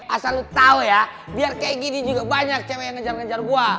asal tau ya biar kayak gini juga banyak cewek yang ngejar ngejar gue